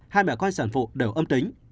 hai mẹ con sản phụ đều âm tính